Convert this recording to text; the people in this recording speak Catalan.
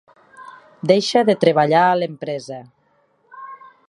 Deixa de treballar a l'empresa.